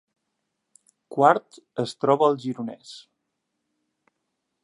Quart es troba al Gironès